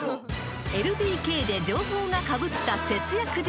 ［『ＬＤＫ』で情報がかぶった節約術